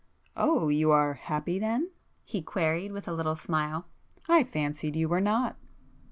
"Oh, you are happy then?" he queried with a little smile—"I fancied you were not!"